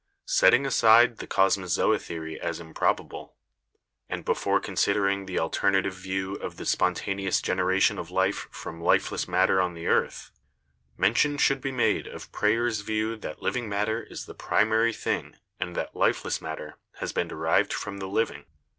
Setting aside the 'cosmozoa' theory as improbable, and before considering the alternative view of the spontaneous generation of life from lifeless matter on the earth, mention should be made of Preyer's view that living matter is the primary thing and that lifeless matter has been derived from the living.